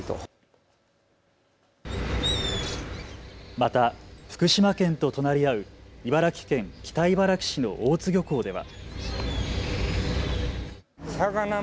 また福島県と隣り合う茨城県北茨城市の大津漁港では。